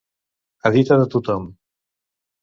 A dita de tothom.